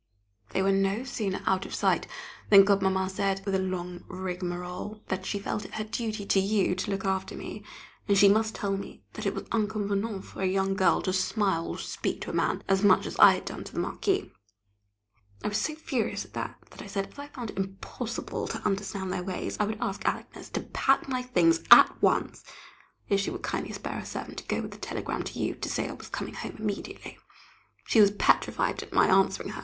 They were no sooner out of sight, than Godmamma said, with a long rigmarole, that she felt it her duty to you to look after me, and she must tell me that it was inconvenant for a young girl to smile or speak to a man as much as I had done to the Marquis. I was so furious at that, that I said, as I found it impossible to understand their ways, I would ask Agnès to pack my things at once, if she would kindly spare a servant to go with a telegram to you, to say I was coming home immediately. She was petrified at my answering her!